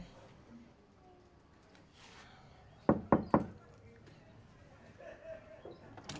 kau mau kemana